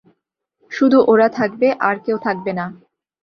শুধু ওরা থাকবে, আর কেউ থাকবে না।